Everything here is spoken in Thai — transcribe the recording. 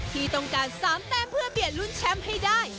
ที่ต้องการ๓แต้มเพื่อเปลี่ยนลุ้นแชมป์ให้ได้